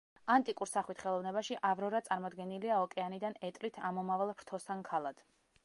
ანტიკურ სახვით ხელოვნებაში ავრორა წარმოდგენილია ოკეანიდან ეტლით ამომავალ ფრთოსან ქალად.